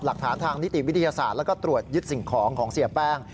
หลักฐานทางนิติวิทยาศาสตร์แล้วก็ตรวจยึดสิ่งของของเสียแป้ง